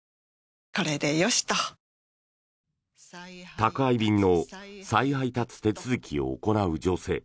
宅配便の再配達手続きを行う女性。